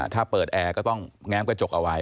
ถ้าเปิดแอร์ก็ต้องแง้มกระจกเอาไว้